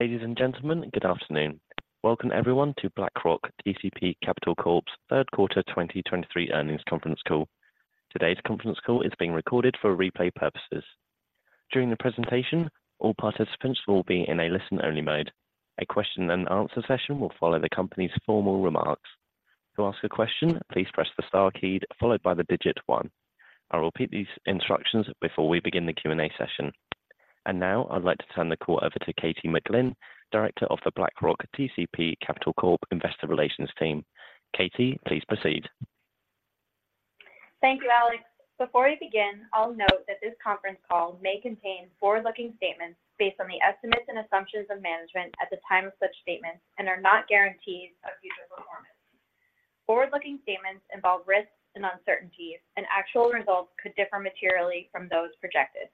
Ladies and gentlemen, good afternoon. Welcome everyone to BlackRock TCP Capital Corp's third quarter 2023 earnings conference call. Today's conference call is being recorded for replay purposes. During the presentation, all participants will be in a listen-only mode. A question and answer session will follow the company's formal remarks. To ask a question, please press the star key followed by the digit one. I'll repeat these instructions before we begin the Q&A session. And now, I'd like to turn the call over to Katie McGlynn, Director of the BlackRock TCP Capital Corp Investor Relations team. Katie, please proceed. Thank you, Alex. Before we begin, I'll note that this conference call may contain forward-looking statements based on the estimates and assumptions of management at the time of such statements and are not guarantees of future performance. Forward-looking statements involve risks and uncertainties, and actual results could differ materially from those projected.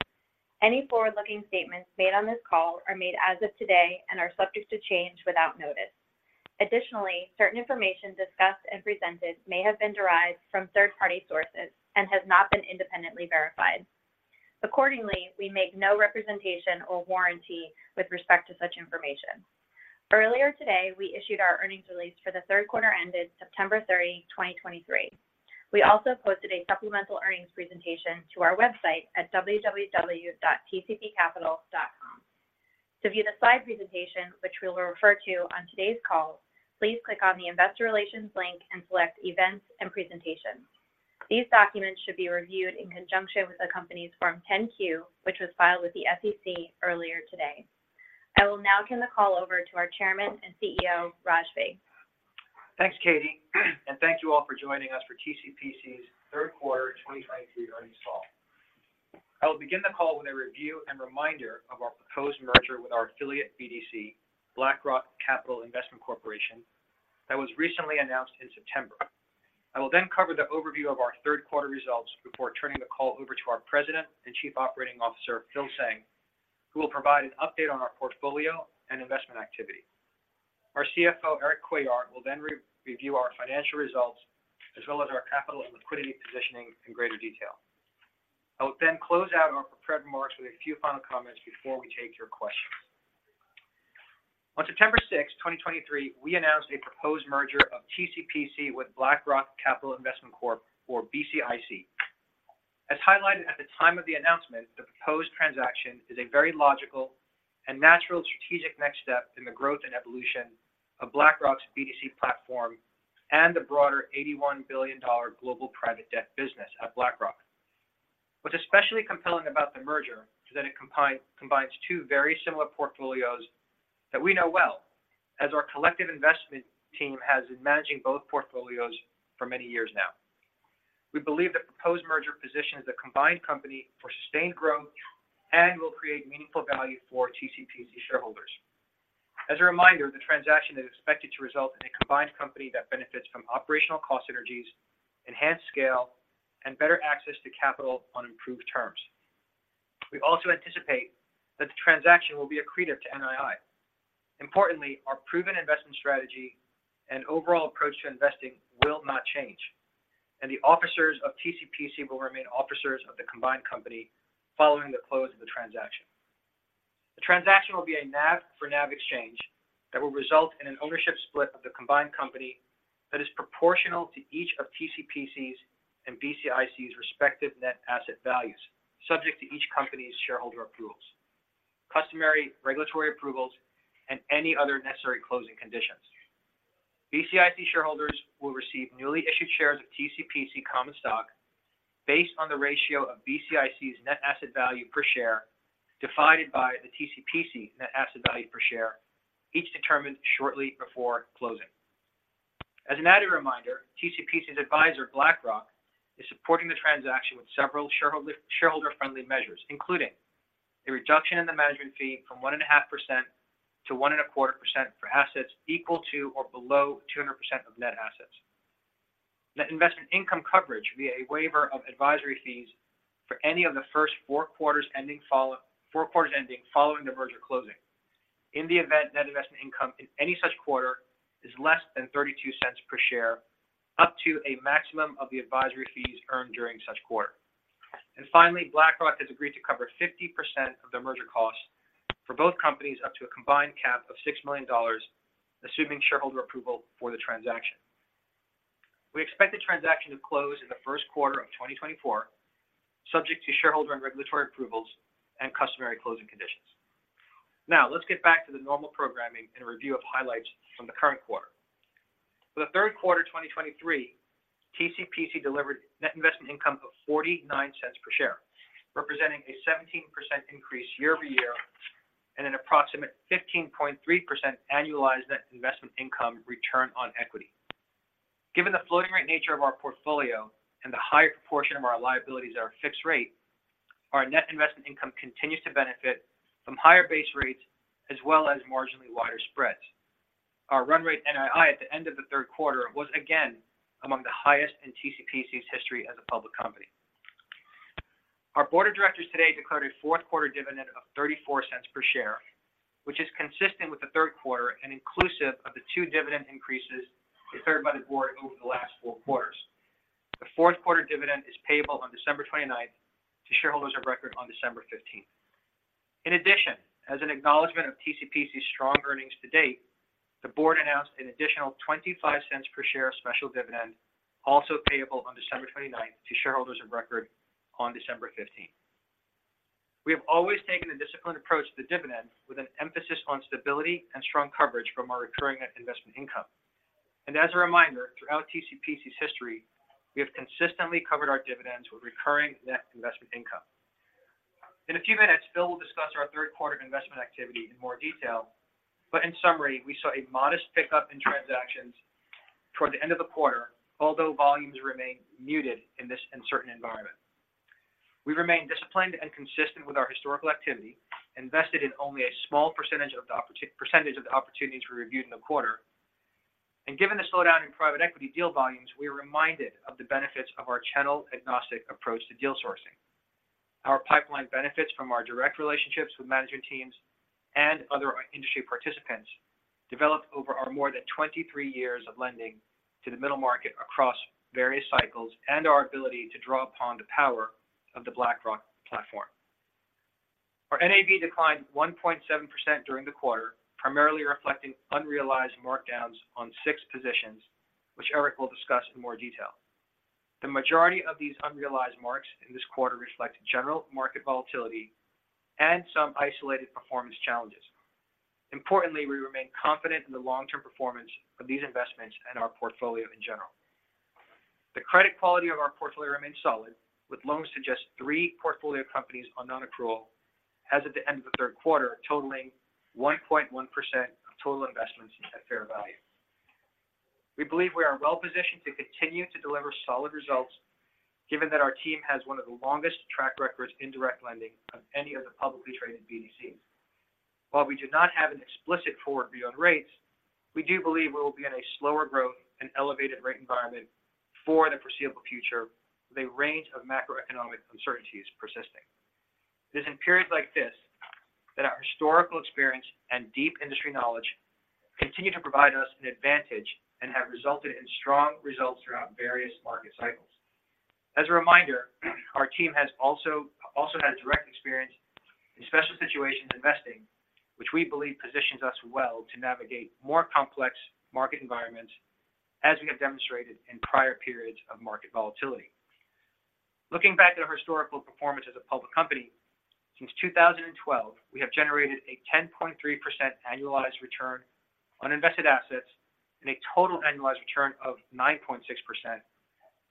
Any forward-looking statements made on this call are made as of today and are subject to change without notice. Additionally, certain information discussed and presented may have been derived from third-party sources and has not been independently verified. Accordingly, we make no representation or warranty with respect to such information. Earlier today, we issued our earnings release for the third quarter ended September 30th, 2023. We also posted a supplemental earnings presentation to our website at www.tcpcapital.com. To view the slide presentation, which we will refer to on today's call, please click on the Investor Relations link and select Events and Presentations. These documents should be reviewed in conjunction with the company's Form 10-Q, which was filed with the SEC earlier today. I will now turn the call over to our Chairman and CEO, Raj Vig. Thanks, Katie, and thank you all for joining us for TCPC's third quarter 2023 earnings call. I will begin the call with a review and reminder of our proposed merger with our affiliate BDC, BlackRock Capital Investment Corporation, that was recently announced in September. I will then cover the overview of our third quarter results before turning the call over to our President and Chief Operating Officer, Phil Tseng, who will provide an update on our portfolio and investment activity. Our CFO, Erik Cuellar, will then re-review our financial results, as well as our capital and liquidity positioning in greater detail. I will then close out our prepared remarks with a few final comments before we take your questions. On September 6th, 2023, we announced a proposed merger of TCPC with BlackRock Capital Investment Corp, or BCIC. As highlighted at the time of the announcement, the proposed transaction is a very logical and natural strategic next step in the growth and evolution of BlackRock's BDC platform and the broader $81 billion global private debt business at BlackRock. What's especially compelling about the merger is that it combines two very similar portfolios that we know well as our collective investment team has been managing both portfolios for many years now. We believe the proposed merger positions the combined company for sustained growth and will create meaningful value for TCPC shareholders. As a reminder, the transaction is expected to result in a combined company that benefits from operational cost synergies, enhanced scale, and better access to capital on improved terms. We also anticipate that the transaction will be accretive to NII. Importantly, our proven investment strategy and overall approach to investing will not change, and the officers of TCPC will remain officers of the combined company following the close of the transaction. The transaction will be a NAV for NAV exchange that will result in an ownership split of the combined company that is proportional to each of TCPC's and BCIC's respective net asset values, subject to each company's shareholder approvals, customary regulatory approvals, and any other necessary closing conditions. BCIC shareholders will receive newly issued shares of TCPC common stock based on the ratio of BCIC's net asset value per share, divided by the TCPC net asset value per share, each determined shortly before closing. As an added reminder, TCPC's advisor, BlackRock, is supporting the transaction with several shareholder-friendly measures, including a reduction in the management fee from 1.5% to 1.25% for assets equal to or below 200% of net assets. Net investment income coverage via a waiver of advisory fees for any of the first 4 quarters ending following the merger closing. In the event net investment income in any such quarter is less than $0.32 per share, up to a maximum of the advisory fees earned during such quarter. Finally, BlackRock has agreed to cover 50% of the merger costs for both companies, up to a combined cap of $6 million, assuming shareholder approval for the transaction. We expect the transaction to close in the first quarter of 2024, subject to shareholder and regulatory approvals and customary closing conditions. Now, let's get back to the normal programming and review of highlights from the current quarter. For the third quarter 2023, TCPC delivered net investment income of $0.49 per share, representing a 17% increase year-over-year and an approximate 15.3% annualized net investment income return on equity. Given the floating rate nature of our portfolio and the higher proportion of our liabilities are fixed rate, our net investment income continues to benefit from higher base rates as well as marginally wider spreads. Our run rate NII at the end of the third quarter was again among the highest in TCPC's history as a public company. Our board of directors today declared a fourth-quarter dividend of $0.34 per share, which is consistent with the third quarter and inclusive of the 2 dividend increases declared by the board over the last 4 quarters. The fourth quarter dividend is payable on December 29th to shareholders of record on December 15th. In addition, as an acknowledgment of TCPC's strong earnings to date, the board announced an additional $0.25 per share of special dividend, also payable on December 29th to shareholders of record on December 15th. We have always taken a disciplined approach to the dividend, with an emphasis on stability and strong coverage from our recurring investment income. As a reminder, throughout TCPC's history, we have consistently covered our dividends with recurring net investment income. In a few minutes, Phil will discuss our third quarter investment activity in more detail, but in summary, we saw a modest pickup in transactions toward the end of the quarter, although volumes remained muted in this uncertain environment. We remained disciplined and consistent with our historical activity, invested in only a small percentage of the opportunities we reviewed in the quarter. Given the slowdown in private equity deal volumes, we are reminded of the benefits of our channel-agnostic approach to deal sourcing. Our pipeline benefits from our direct relationships with management teams and other industry participants, developed over our more than 23 years of lending to the middle market across various cycles and our ability to draw upon the power of the BlackRock platform. Our NAV declined 1.7% during the quarter, primarily reflecting unrealized markdowns on 6 positions, which Erik will discuss in more detail. The majority of these unrealized marks in this quarter reflect general market volatility and some isolated performance challenges. Importantly, we remain confident in the long-term performance of these investments and our portfolio in general. The credit quality of our portfolio remains solid, with loans to just 3 portfolio companies on nonaccrual as of the end of the third quarter, totaling 1.1% of total investments at fair value. We believe we are well positioned to continue to deliver solid results, given that our team has one of the longest track records in direct lending of any of the publicly traded BDCs. While we do not have an explicit forward view on rates, we do believe we will be in a slower growth and elevated rate environment for the foreseeable future, with a range of macroeconomic uncertainties persisting. It is in periods like this, that our historical experience and deep industry knowledge continue to provide us an advantage and have resulted in strong results throughout various market cycles. As a reminder, our team has also had direct experience in special situations investing, which we believe positions us well to navigate more complex market environments, as we have demonstrated in prior periods of market volatility. Looking back at our historical performance as a public company, since 2012, we have generated a 10.3% annualized return on invested assets and a total annualized return of 9.6%,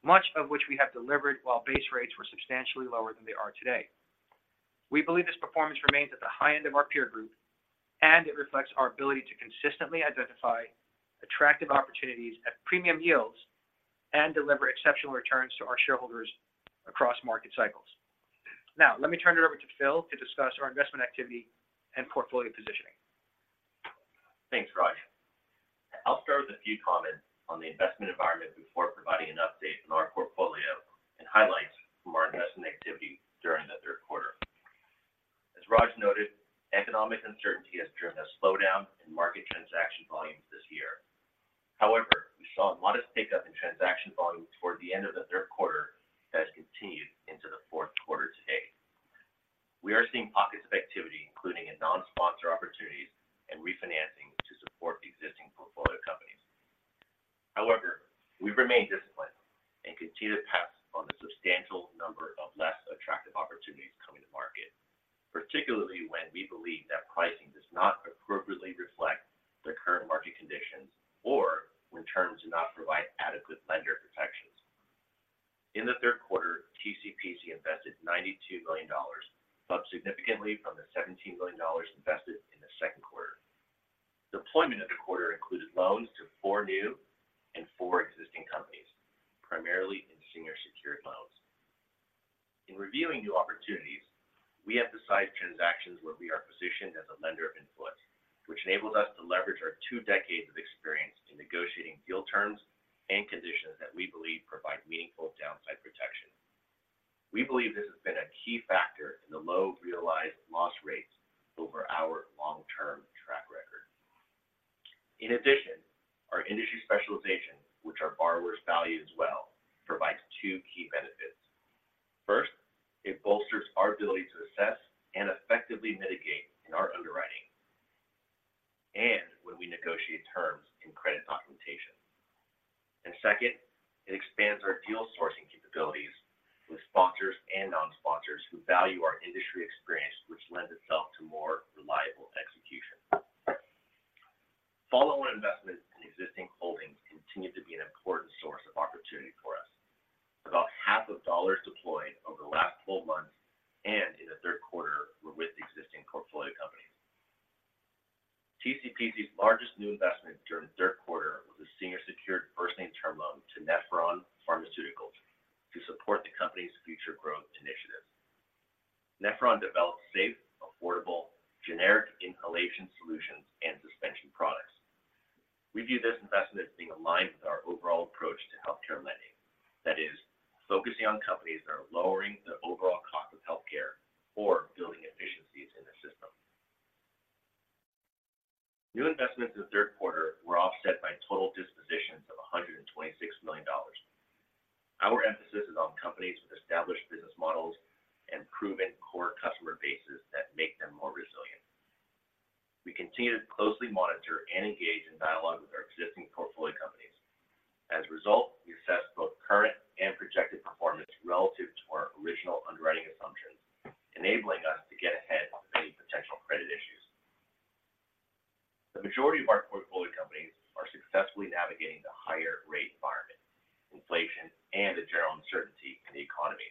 much of which we have delivered while base rates were substantially lower than they are today. We believe this performance remains at the high end of our peer group, and it reflects our ability to consistently identify attractive opportunities at premium yields and deliver exceptional returns to our shareholders across market cycles. Now, let me turn it over to Phil to discuss our investment activity and portfolio positioning. Thanks, Raj. I'll start with a few comments on the investment environment before providing an update on our portfolio and highlights from our investment activity during the third quarter. As Raj noted, economic uncertainty has driven a slowdown in market transaction volumes this year. However, we saw a modest pickup in transaction volumes toward the end of the third quarter that has continued into the fourth quarter to date. We are seeing pockets of activity, including in non-sponsor opportunities and refinancing to support existing portfolio companies. However, we've remained disciplined and continue to pass on the substantial number of less attractive opportunities coming to market, particularly when we believe that pricing does not appropriately reflect the current market conditions or when terms do not provide adequate lender protections. In the third quarter, TCPC invested $92 million, up significantly from the $17 million invested in the second quarter. Deployment of the quarter included loans to 4 new and 4 existing companies, primarily in senior secured loans. In reviewing new opportunities, we emphasize transactions where we are positioned as a lender of influence, which enables us to leverage our two decades of experience in negotiating deal terms and conditions that we believe provide meaningful downside protection. We believe this has been a key factor in the low realized loss rates over our long-term track record. In addition, our industry specialization, which our borrowers value as well, provides two key benefits. First, it bolsters our ability to assess and effectively mitigate in our underwriting and when we negotiate terms in credit documentation. And second, it expands our deal sourcing capabilities with sponsors and non-sponsors who value our industry experience, which lends itself to more reliable execution. Follow-on investments in existing holdings continue to be an important source of opportunity for us. About half of dollars deployed over the last 12 months and in the third quarter were with existing portfolio companies. TCPC's largest new investment during the third quarter was a senior secured first lien term loan to Nephron Pharmaceuticals to support the company's future growth initiatives. Nephron develops safe, affordable, generic inhalation solutions and suspension products. We view this investment as being aligned with our overall approach to healthcare lending. That is, focusing on companies that are lowering the overall cost of healthcare or building efficiency.... New investments in the third quarter were offset by total dispositions of $126 million. Our emphasis is on companies with established business models and proven core customer bases that make them more resilient. We continue to closely monitor and engage in dialogue with our existing portfolio companies. As a result, we assess both current and projected performance relative to our original underwriting assumptions, enabling us to get ahead of any potential credit issues. The majority of our portfolio companies are successfully navigating the higher rate environment, inflation, and the general uncertainty in the economy,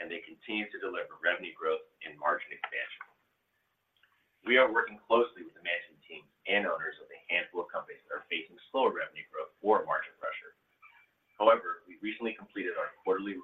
and they continue to deliver revenue growth and margin expansion. We are working closely with the management teams and owners of a handful of companies that are facing slower revenue growth or margin pressure. However, we recently completed our quarterly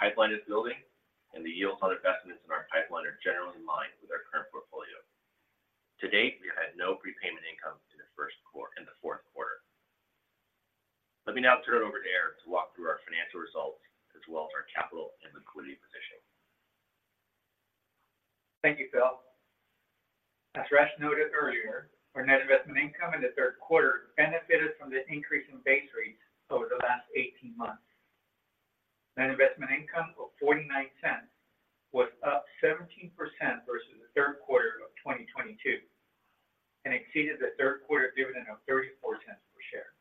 pipeline is building, and the yields on investments in our pipeline are generally in line with our current portfolio. To date, we have had no prepayment income in the fourth quarter. Let me now turn it over to Erik to walk through our financial results, as well as our capital and liquidity position. Thank you, Phil. As Raj noted earlier, our net investment income in the third quarter benefited from the increase in base rates over the last 18 months. Net investment income of $0.49 was up 17% versus the third quarter of 2022 and exceeded the third quarter dividend of $0.34 per share.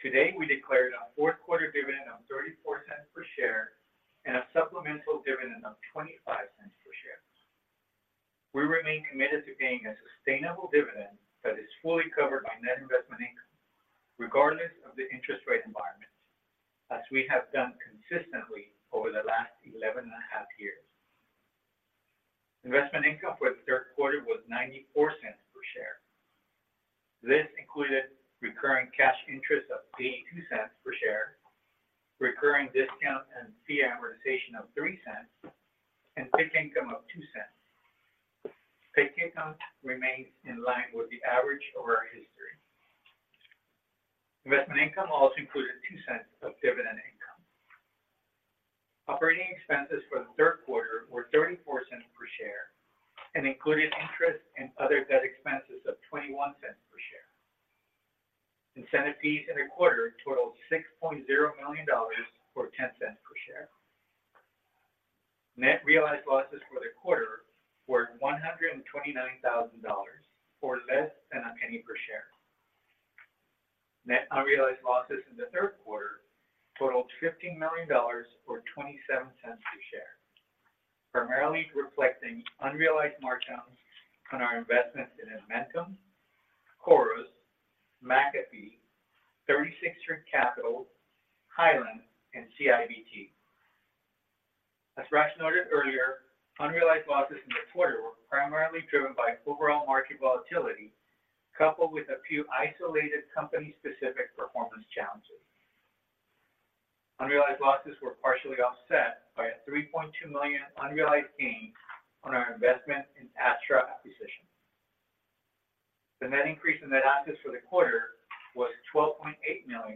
Today, we declared a fourth quarter dividend of $0.34 per share and a supplemental dividend of $0.25 per share. We remain committed to paying a sustainable dividend that is fully covered by net investment income, regardless of the interest rate environment, as we have done consistently over the last 11.5 years. Investment income for the third quarter was $0.94 per share. This included recurring cash interest of $0.32 per share, recurring discount and fee amortization of $0.03, and PIK income of $0.02. PIK income remains in line with the average over our history. Investment income also included $0.02 of dividend income. Operating expenses for the third quarter were $0.34 per share and included interest and other debt expenses of $0.21 per share. Incentive fees in the quarter totaled $6.0 million, or $0.10 per share. Net realized losses for the quarter were $129,000, or less than $0.01 per share. Net unrealized losses in the third quarter totaled $15 million or $0.27 per share, primarily reflecting unrealized markdowns on our investments in Edmentum, Corus, McAfee, 36th Street Capital, Hyland, and CIBT. As Raj noted earlier, unrealized losses in the quarter were primarily driven by overall market volatility, coupled with a few isolated company-specific performance challenges. Unrealized losses were partially offset by a $3.2 million unrealized gain on our investment in Astra Acquisition. The net increase in net assets for the quarter was $12.8 million,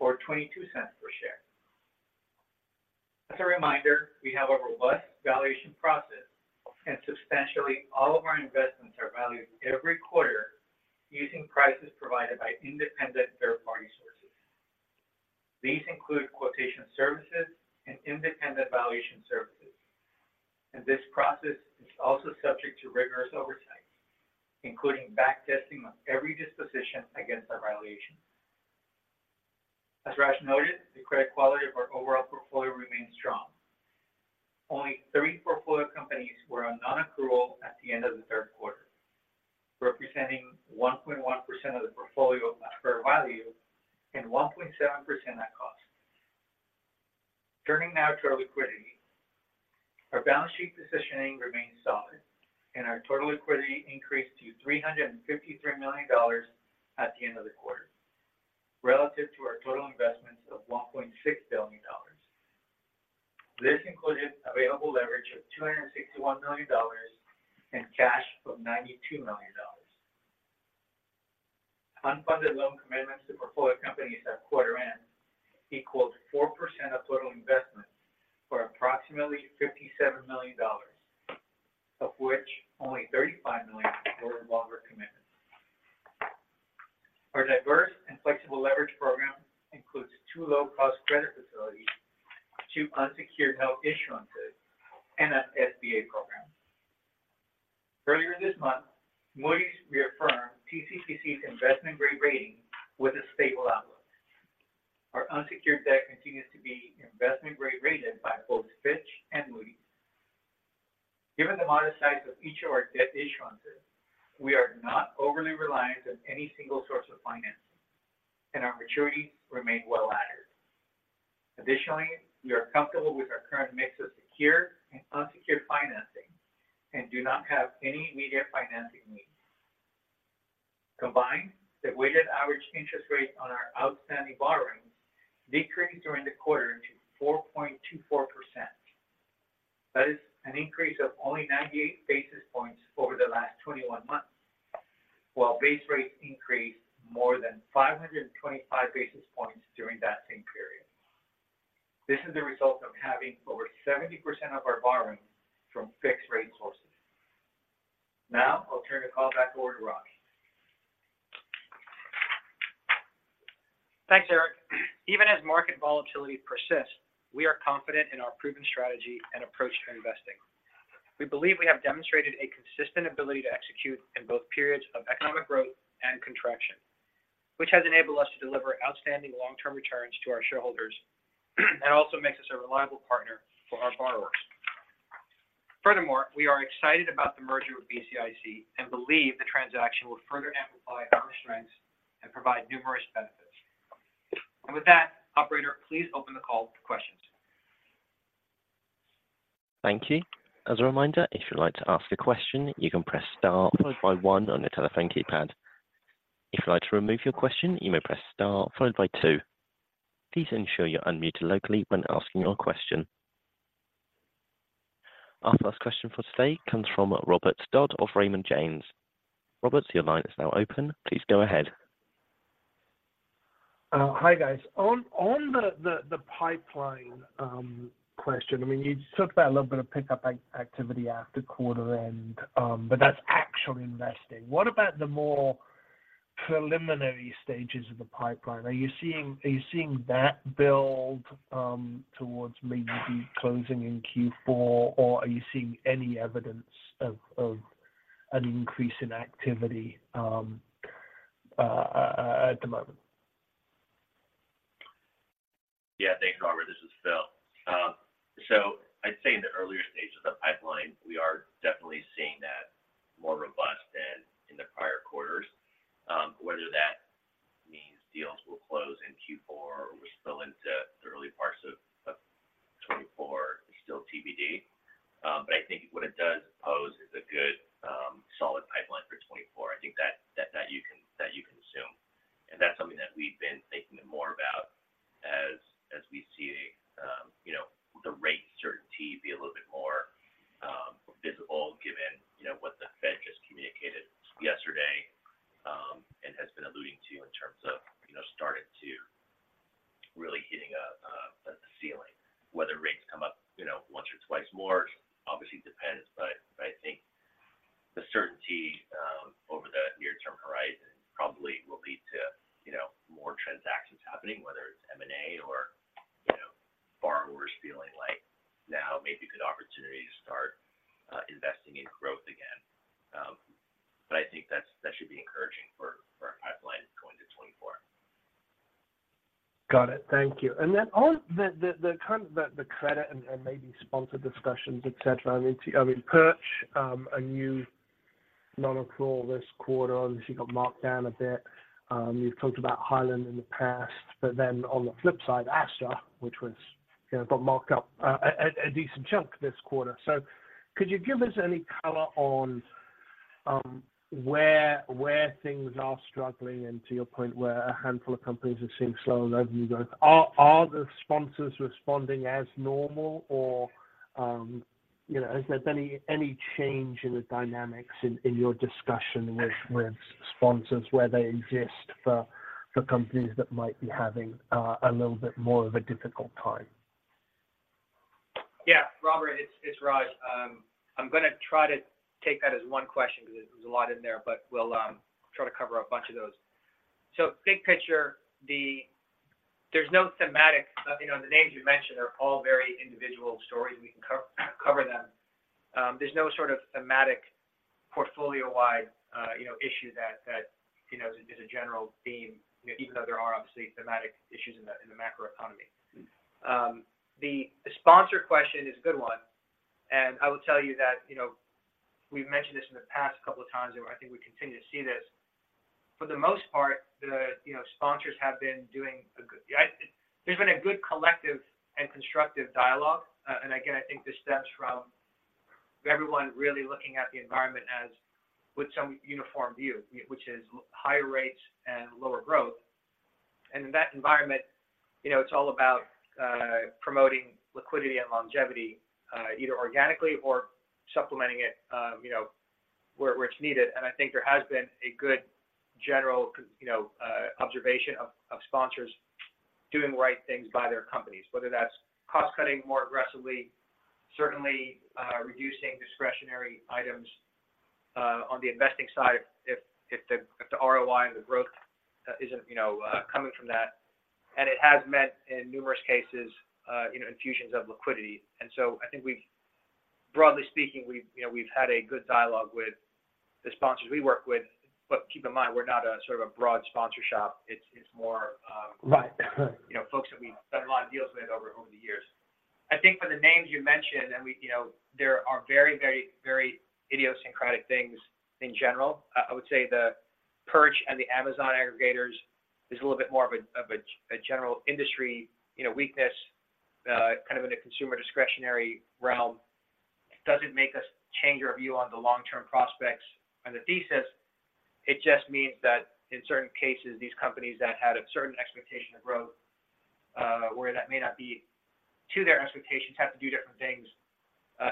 or $0.22 per share.... As a reminder, we have a robust valuation process, and substantially all of our investments are valued every quarter using prices provided by independent third-party sources. These include quotation services and independent valuation services, and this process is also subject to rigorous oversight, including back testing of every disposition against our valuations. As Raj noted, the credit quality of our overall portfolio remains strong. Only three portfolio companies were on nonaccrual at the end of the third quarter, representing 1.1% of the portfolio at fair value and 1.7% at cost. Turning now to our liquidity. Our balance sheet positioning remains solid, and our total liquidity increased to $353 million at the end of the quarter, relative to our total investments of $1.6 billion. This included available leverage of $261 million and cash of $92 million. Unfunded loan commitments to portfolio companies at quarter end equals 4% of total investments, or approximately $57 million, of which only $35 million were longer commitments. Our diverse and flexible leverage program includes two low-cost credit facilities, two unsecured note issuances, and an SBA program. Earlier this month, Moody's reaffirmed TCPC's investment-grade rating with a stable outlook. Our unsecured debt continues to be investment-grade rated by both Fitch and Moody's. Given the modest size of each of our debt issuances, we are not overly reliant on any single source of financing, and our maturities remain well laddered. Additionally, we are comfortable with our current mix of secure and unsecured financing and do not have any immediate financing needs. Combined, the weighted average interest rate on our outstanding borrowings decreased during the quarter to 4.24%. That is an increase of only 98 basis points over the last 21 months, while base rates increased more than 525 basis points during that same period. This is the result of having over 70% of our borrowings from fixed-rate sources. Now, I'll turn the call back over to Raj. Thanks, Erik. Even as market volatility persists, we are confident in our proven strategy and approach to investing. We believe we have demonstrated a consistent ability to execute in both periods of economic growth and contraction, which has enabled us to deliver outstanding long-term returns to our shareholders and also makes us a reliable partner for our borrowers. Furthermore, we are excited about the merger with BCIC and believe the transaction will further amplify our strengths and provide numerous benefits. With that, operator, please open the call for questions. Thank you. As a reminder, if you'd like to ask a question, you can press star followed by one on your telephone keypad. If you'd like to remove your question, you may press star followed by two. Please ensure you're unmuted locally when asking your question. Our first question for today comes from Robert Dodd of Raymond James. Robert, your line is now open. Please go ahead. Hi, guys. On the pipeline question, I mean, you talked about a little bit of pickup activity at the quarter end, but that's actual investing. What about the more preliminary stages of the pipeline? Are you seeing that build towards maybe the closing in Q4, or are you seeing any evidence of an increase in activity at the moment? Yeah. Thanks, Robert. This is Phil. So I'd say in the earlier stages of the pipeline, we are definitely seeing that more robust than in the prior quarters. Whether that means deals will close in Q4 or spill into the early parts of 2024 is still TBD. But I think what it does pose is a good solid pipeline for 2024. I think that you can consume, and that's something that we've been thinking more about as we see you know, the rate certainty be a little bit more visible, given you know, what the Fed just communicated yesterday, and has been alluding to in terms of you know, starting to really hitting a the ceiling. Whether rates come up, you know, once or twice more, obviously depends, but I think the certainty over the near-term horizon probably will lead to, you know, more transactions happening, whether it's M&A or, you know, borrowers feeling like now may be a good opportunity to start investing in growth again. But I think that's, that should be encouraging for, for our pipeline going to 2024. Got it. Thank you. And then on the credit and maybe sponsor discussions, et cetera, I mean, Perch, a new nonaccrual this quarter, obviously got marked down a bit. You've talked about Hyland in the past, but then on the flip side, Astra, which was, you know, got marked up a decent chunk this quarter. So could you give us any color on where things are struggling and, to your point, where a handful of companies are seeing slower than you guys? Are the sponsors responding as normal or, you know, is there any change in the dynamics in your discussion with sponsors, where they exist for the companies that might be having a little bit more of a difficult time? Yeah, Robert, it's Raj. I'm gonna try to take that as one question because there's a lot in there, but we'll try to cover a bunch of those. So big picture, there's no thematic, you know, the names you mentioned are all very individual stories, and we can cover them. There's no sort of thematic portfolio-wide, you know, issue that you know is a general theme, even though there are obviously thematic issues in the macroeconomy. The sponsor question is a good one, and I will tell you that, you know, we've mentioned this in the past couple of times, and I think we continue to see this. For the most part, sponsors have been doing a good. There's been a good collective and constructive dialogue. And again, I think this stems from everyone really looking at the environment as with some uniform view, which is higher rates and lower growth. In that environment, you know, it's all about promoting liquidity and longevity, either organically or supplementing it, you know, where it's needed. I think there has been a good general, you know, observation of sponsors doing the right things by their companies, whether that's cost-cutting more aggressively, certainly reducing discretionary items on the investing side, if the ROI and the growth isn't, you know, coming from that. It has meant, in numerous cases, you know, infusions of liquidity. And so I think we've broadly speaking, we've, you know, we've had a good dialogue with the sponsors we work with, but keep in mind, we're not a sort of a broad sponsor shop. It's, it's more, Right. You know, folks that we've done a lot of deals with over the years. I think for the names you mentioned, and we, you know, there are very, very, very idiosyncratic things in general. I would say the Perch and the Amazon aggregators is a little bit more of a general industry, you know, weakness kind of in a consumer discretionary realm. It doesn't make us change our view on the long-term prospects and the thesis. It just means that in certain cases, these companies that had a certain expectation of growth, where that may not be to their expectations, have to do different things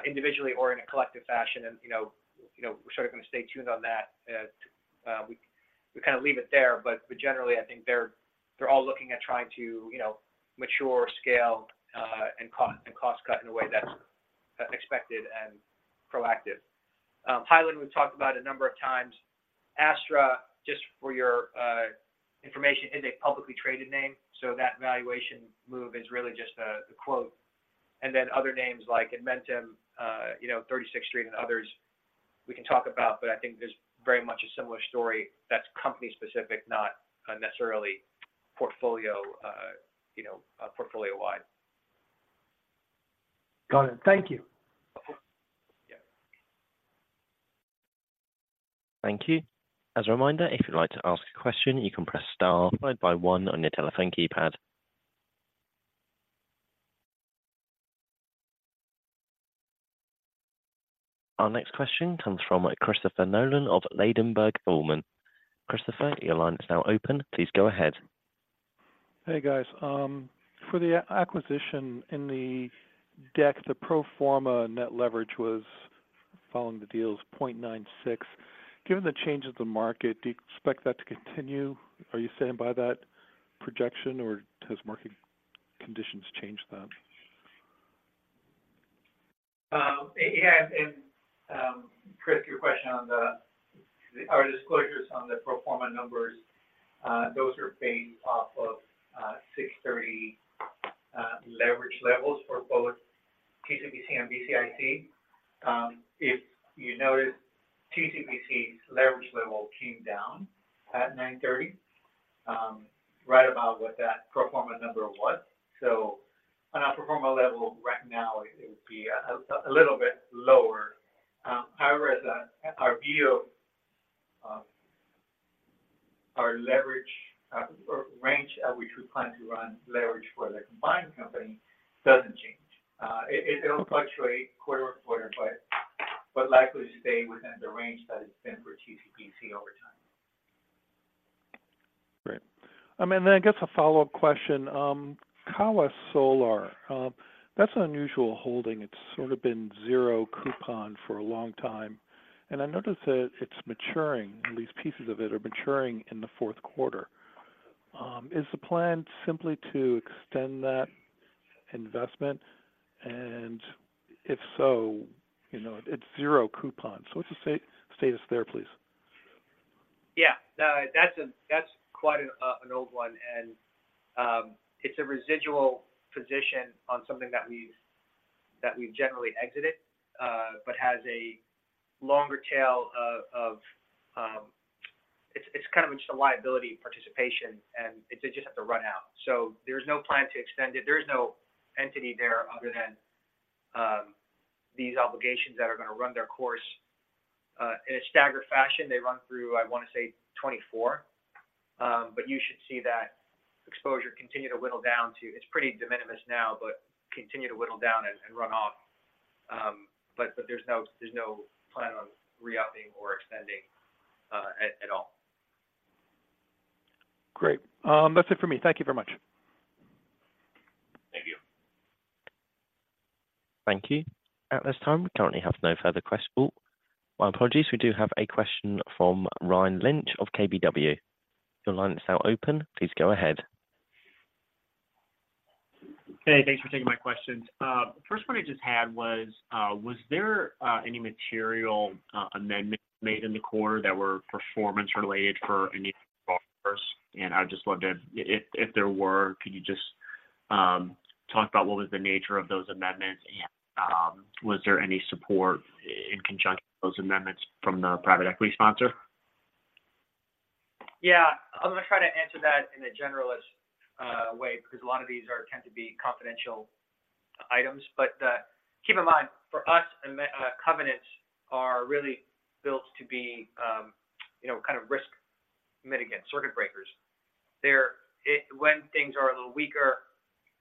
individually or in a collective fashion. And, you know, you know, we're sort of going to stay tuned on that. We kind of leave it there, but generally, I think they're all looking at trying to, you know, mature, scale, and cost cut in a way that's expected and proactive. Hyland, we've talked about a number of times. Astra, just for your information, is a publicly traded name, so that valuation move is really just a quote. And then other names like Edmentum, you know, 36th Street and others, we can talk about, but I think there's very much a similar story that's company-specific, not necessarily portfolio, you know, portfolio-wide. Got it. Thank you. Yeah. Thank you. As a reminder, if you'd like to ask a question, you can press star followed by one on your telephone keypad. Our next question comes from Christopher Nolan of Ladenburg Thalmann. Christopher, your line is now open. Please go ahead. Hey, guys. For the acquisition in the deck, the pro forma net leverage was following the deals 0.96. Given the change of the market, do you expect that to continue? Are you standing by that projection, or has market conditions changed that? Chris, your question on the... Our disclosures on the pro forma numbers, those are based off of, 6/30 leverage levels for both TCPC and BCIC. If you noticed, TCPC's leverage level came down at 9/30, right about what that pro forma number was. So on a pro forma level right now, it would be a little bit lower. However, the, our view of, our leverage, or range at which we plan to run leverage for the combined company doesn't change. It, it'll fluctuate quarter to quarter, but likely to stay within the range that it's been for TCPC over time. Great. And then I guess a follow-up question. Kawa Solar, that's an unusual holding. It's sort of been zero coupon for a long time, and I noticed that it's maturing, at least pieces of it are maturing in the fourth quarter. Is the plan simply to extend that investment? And if so, you know, it's zero coupon, so what's the status there, please? Yeah. That's quite an old one, and it's a residual position on something that we've generally exited, but has a longer tail of it's kind of just a liability participation, and it just have to run out. So there's no plan to extend it. There is no entity there other than these obligations that are going to run their course in a staggered fashion. They run through, I want to say, 2024. But you should see that exposure continue to whittle down to, it's pretty de minimis now, but continue to whittle down and run off. But there's no plan on re-upping or extending at all. Great. That's it for me. Thank you very much.... Thank you. At this time, we currently have no further questions. Well, my apologies. We do have a question from Ryan Lynch of KBW. Your line is now open. Please go ahead. Hey, thanks for taking my questions. First one I just had was, was there any material amendments made in the quarter that were performance-related for any borrowers? And I'd just love to, if there were, could you just talk about what was the nature of those amendments, and was there any support in conjunction with those amendments from the private equity sponsor? Yeah, I'm going to try to answer that in a generalist way, because a lot of these tend to be confidential items. But keep in mind, for us, covenants are really built to be, you know, kind of risk mitigant, circuit breakers. They're, when things are a little weaker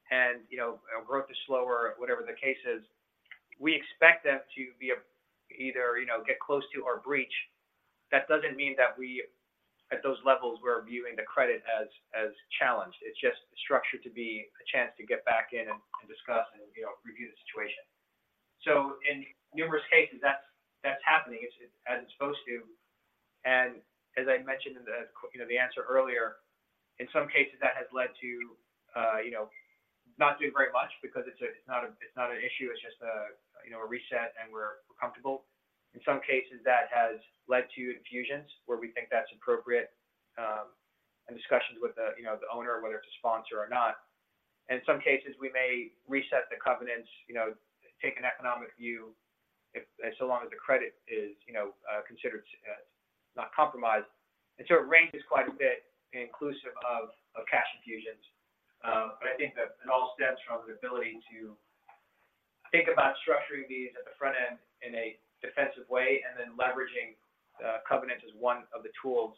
and, you know, growth is slower, whatever the case is, we expect them to be either, you know, get close to or breach. That doesn't mean that we, at those levels, we're viewing the credit as challenged. It's just structured to be a chance to get back in and discuss and, you know, review the situation. So in numerous cases, that's happening. It's, as it's supposed to. And as I mentioned in the, you know, the answer earlier, in some cases, that has led to, you know, not doing very much because it's a, it's not a, it's not an issue, it's just a, you know, a reset, and we're, we're comfortable. In some cases, that has led to infusions where we think that's appropriate, and discussions with the, you know, the owner, whether it's a sponsor or not. In some cases, we may reset the covenants, you know, take an economic view if, so long as the credit is, you know, considered not compromised. It sort of ranges quite a bit inclusive of cash infusions, but I think that it all stems from the ability to think about structuring these at the front end in a defensive way, and then leveraging covenants as one of the tools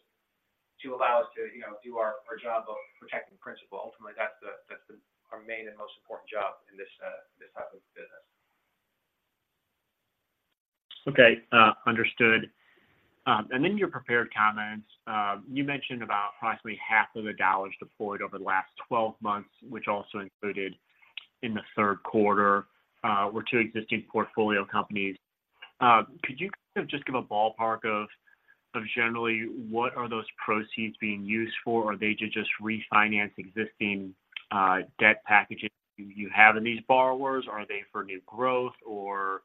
to allow us to, you know, do our job of protecting principal. Ultimately, that's our main and most important job in this type of business. Okay, understood. And in your prepared comments, you mentioned about approximately half of the dollars deployed over the last 12 months, which also included in the third quarter, were two existing portfolio companies. Could you kind of just give a ballpark of generally, what are those proceeds being used for? Are they to just refinance existing debt packages you have in these borrowers? Are they for new growth or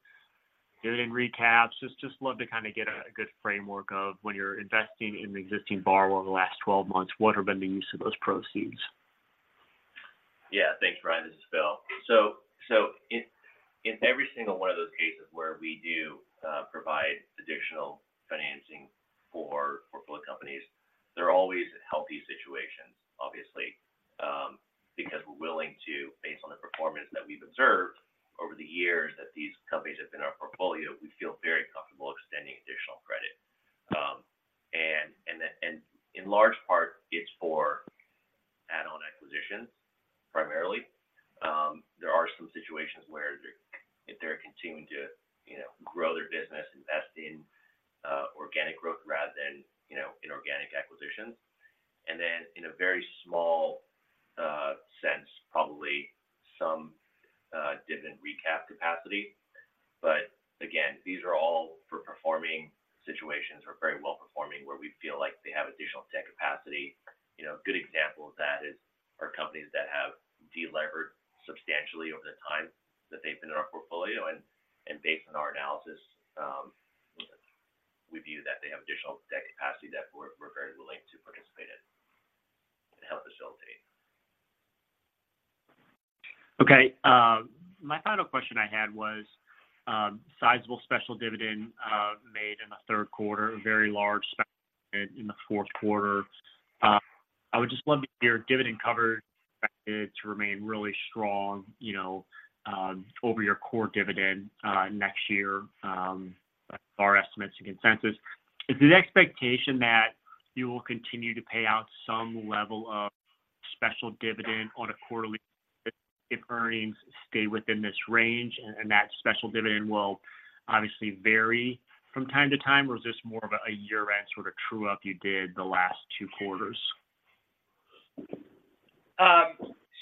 doing recaps? Just love to kind of get a good framework of when you're investing in an existing borrower in the last 12 months, what have been the use of those proceeds? Yeah. Thanks, Ryan. This is Phil. So in every single one of those cases where we do provide additional financing for portfolio companies, they're always healthy situations, obviously, because we're willing to, based on the performance that we've observed over the years that these companies have been in our portfolio, we feel very comfortable extending additional credit. And then, in large part, it's for add-on acquisitions, primarily. There are some situations where they're, if they're continuing to, you know, grow their business, invest in organic growth rather than, you know, inorganic acquisitions. And then in a very small sense, probably some dividend recap capacity. But again, these are all for performing situations or very well-performing, where we feel like they have additional debt capacity. You know, a good example of that is our companies that have delevered substantially over the time that they've been in our portfolio, and based on our analysis, we view that they have additional debt capacity that we're very willing to participate in and help facilitate. Okay, my final question I had was, sizable special dividend made in the third quarter, a very large special in the fourth quarter. I would just love to hear dividend cover expected to remain really strong, you know, over your core dividend next year, our estimates and consensus. Is it an expectation that you will continue to pay out some level of special dividend on a quarterly if earnings stay within this range, and, and that special dividend will obviously vary from time to time? Or is this more of a year-end sort of true-up you did the last two quarters?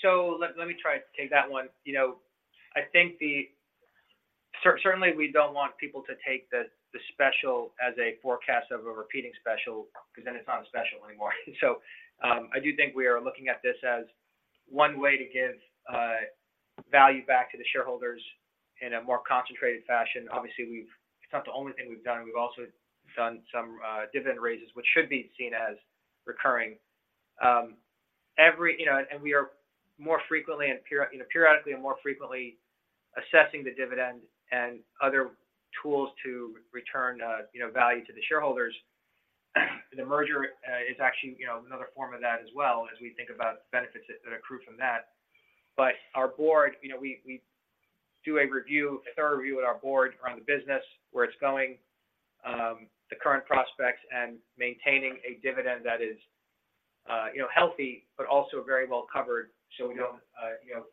So let me try to take that one. You know, I think certainly, we don't want people to take the special as a forecast of a repeating special, because then it's not a special anymore. So I do think we are looking at this as one way to give value back to the shareholders in a more concentrated fashion. Obviously, we've—it's not the only thing we've done. We've also done some dividend raises, which should be seen as recurring. Every period, you know, periodically and more frequently we are assessing the dividend and other tools to return value to the shareholders. The merger is actually another form of that as well, as we think about the benefits that accrue from that. But our board, you know, we, we do a review, a thorough review with our board around the business, where it's going, the current prospects, and maintaining a dividend that is, you know, healthy, but also very well covered, so we don't, you know,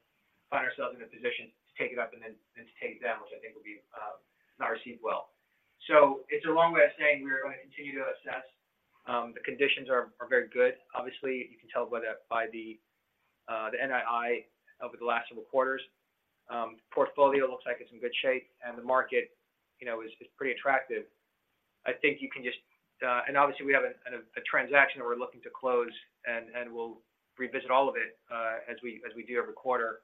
find ourselves in a position to take it up and then, and to take it down, which I think will be, not received well. So it's a long way of saying we're going to continue to assess. The conditions are, are very good. Obviously, you can tell by the, by the, the NII over the last several quarters. Portfolio looks like it's in good shape, and the market, you know, is, is pretty attractive. I think you can just... And obviously, we have a transaction that we're looking to close, and we'll revisit all of it, as we do every quarter,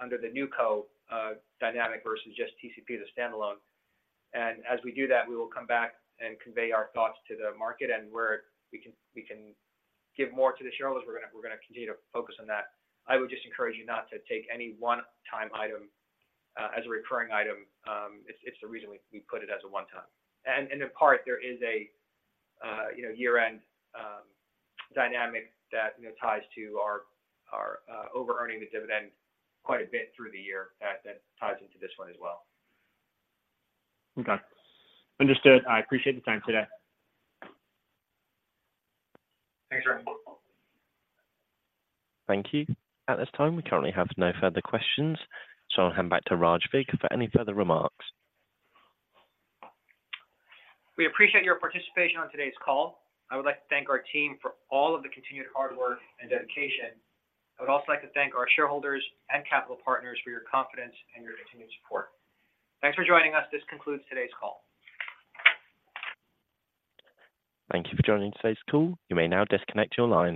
under the NewCo dynamic versus just TCP, the standalone. And as we do that, we will come back and convey our thoughts to the market and where we can give more to the shareholders. We're gonna continue to focus on that. I would just encourage you not to take any one-time item as a recurring item. It's the reason we put it as a one-time. And in part, there is a you know, year-end dynamic that you know ties to our overearning the dividend quite a bit through the year that ties into this one as well. Okay, understood. I appreciate the time today. Thanks, Ryan. Thank you. At this time, we currently have no further questions, so I'll hand back to Raj Vig for any further remarks. We appreciate your participation on today's call. I would like to thank our team for all of the continued hard work and dedication. I would also like to thank our shareholders and capital partners for your confidence and your continued support. Thanks for joining us. This concludes today's call. Thank you for joining today's call. You may now disconnect your line.